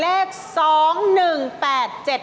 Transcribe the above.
หลักสวย